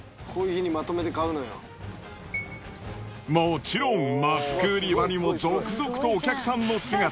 こういう日にまとめて買うのもちろん、マスク売り場にも続々とお客さんの姿。